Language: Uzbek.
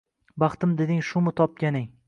Baxtim deding shumi topganing